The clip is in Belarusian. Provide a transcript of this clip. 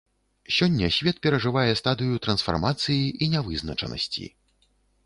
Сёння свет перажывае стадыю трансфармацыі і нявызначанасці.